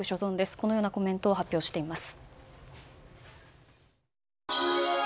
このようなコメントを発表しています。